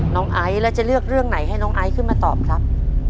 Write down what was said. ไอซ์แล้วจะเลือกเรื่องไหนให้น้องไอซ์ขึ้นมาตอบครับ